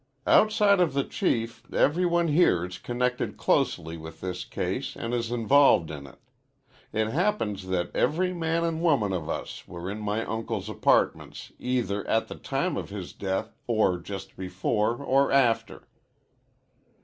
"Outside of the Chief every one here is connected closely with this case an' is involved in it. It happens that every man an' woman of us were in my uncle's apartments either at the time of his death or just before or after."